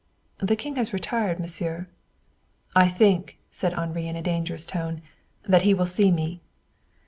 "The King has retired, monsieur." "I think," said Henri in a dangerous tone, "that he will see me."